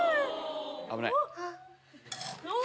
・危ない。